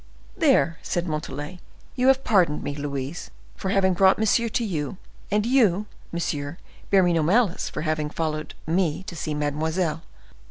"There!" said Montalais, "you have pardoned me, Louise, for having brought monsieur to you; and you, monsieur, bear me no malice for having followed me to see mademoiselle.